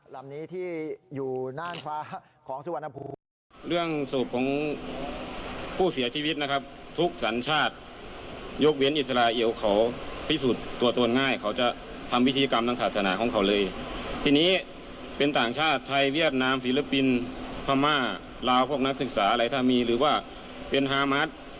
แล้วพวกนักศึกษาอะไรถ้ามีหรือว่าเป็นฮามัตต์